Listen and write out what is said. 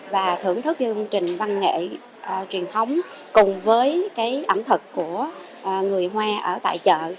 và thưởng thức trình văn nghệ truyền thống cùng với ẩm thực của người hoa ở tại chợ